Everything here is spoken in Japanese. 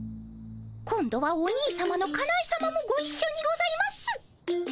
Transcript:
今度はお兄さまのかなえさまもごいっしょにございます。